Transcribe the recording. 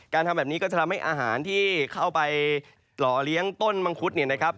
ทำแบบนี้ก็จะทำให้อาหารที่เข้าไปหล่อเลี้ยงต้นมังคุดเนี่ยนะครับ